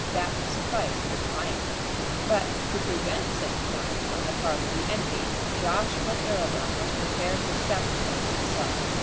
That would suffice for triumph. But to prevent such triumph on the part of the enemy Joshua Thoroughbung was prepared to sacrifice himself.